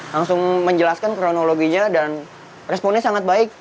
langsung menjelaskan kronologinya dan responnya sangat baik